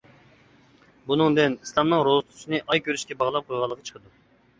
بۇنىڭدىن ئىسلامنىڭ روزا تۇتۇشنى ئاي كۆرۈشكە باغلاپ قويغانلىقى چىقىدۇ.